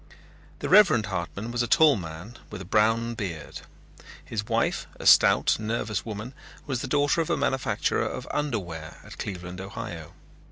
The Reverend Hartman was a tall man with a brown beard. His wife, a stout, nervous woman, was the daughter of a manufacturer of underwear at Cleveland, Ohio.